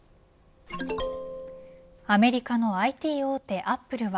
アメリカのＩＴ大手アップルは